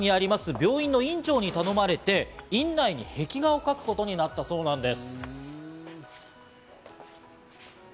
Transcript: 病院の院長に頼まれて、院内に壁画を描くことになったそうなんです。